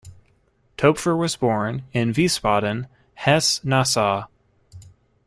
Toepfer was born in Wiesbaden, Hesse-Nassau.